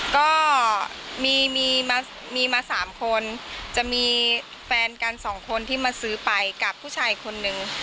ก็มีมา๓คนจะมีแฟนกันสองคนที่มาซื้อไปกับผู้ชายคนนึง